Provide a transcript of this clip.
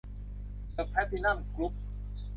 เดอะ แพลทินัม กรุ๊ป